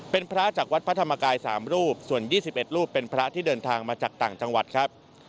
เป็นพระจากวัดพระธรรมกาย๓รูปส่วน๒๑รูปเป็นพระที่เดินทางมาจากต่างจังหวัดครับ